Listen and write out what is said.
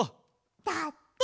だって。